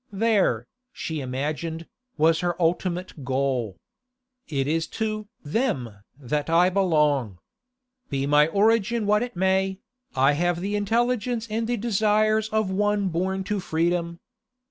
There, she imagined, was her ultimate goal. 'It is to them that I belong! Be my origin what it may, I have the intelligence and the desires of one born to freedom.